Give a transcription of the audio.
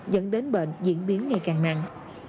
dẫn đến bệnh diễn biến ngày càng nặng